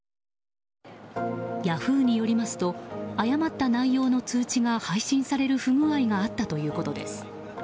ヤフーによりますと誤った内容の通知が配信される不具合があったということです。